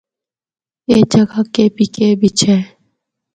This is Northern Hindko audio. اے جگہ کے پی کے بچ ہے۔